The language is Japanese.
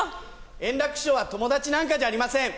円楽師匠は友達なんかじゃありません。